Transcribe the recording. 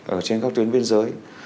ở trên các tuyến biên giới